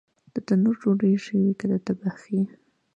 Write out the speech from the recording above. د تنور ډوډۍ ښه وي که د تبخي؟